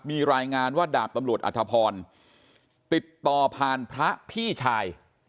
มีรายงานว่าดาบตำรวจอัธพรติดต่อผ่านพระพี่ชาย